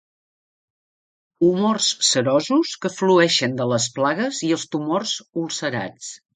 Humors serosos que flueixen de les plagues i els tumors ulcerats.